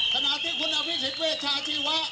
ขณะที่คุณอภิษฎเวชาชีวะ